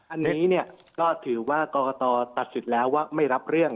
อันนี้เนี่ยก็ถือว่ากรกตตัดสิทธิ์แล้วว่าไม่รับเรื่อง